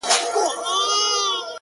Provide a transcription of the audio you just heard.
دا زموږ جونګړه بورجل مه ورانوی؛